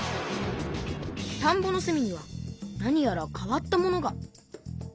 たんぼのすみにはなにやら変わったものが。